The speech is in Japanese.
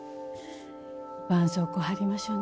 ばんそうこう貼りましょうね。